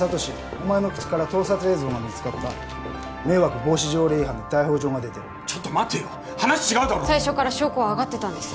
お前の靴から盗撮映像が見つかった迷惑防止条例違反で逮捕状が出てるちょっと待てよ話違うだろ最初から証拠は挙がってたんです